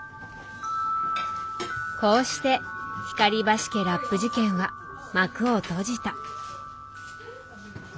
こうして光橋家ラップ事件は幕を閉じた。